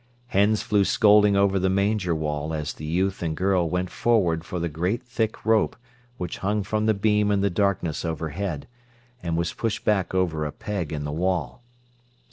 Hens flew scolding over the manger wall as the youth and girl went forward for the great thick rope which hung from the beam in the darkness overhead, and was pushed back over a peg in the wall.